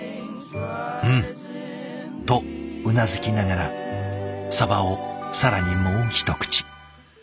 「うん」とうなずきながらサバを更にもう一口。